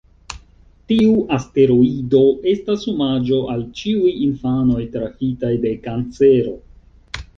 Tiu asteroido estas omaĝo al ĉiuj infanoj trafitaj de kancero.